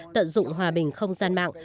tận dụng hòa bình không gian mạng